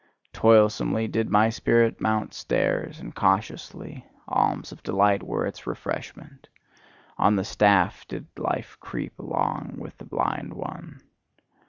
Toilsomely did my spirit mount stairs, and cautiously; alms of delight were its refreshment; on the staff did life creep along with the blind one.